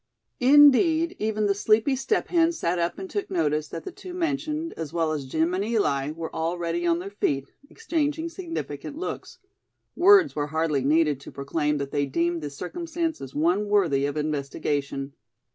Indeed, even the sleepy Step Hen sat up and took notice that the two mentioned, as well as Jim and Eli, were already on their feet, exchanging significant looks. Words were hardly needed to proclaim that they deemed the circumstance as one worthy of investigation.